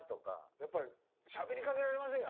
やっぱりしゃべりかけられませんよ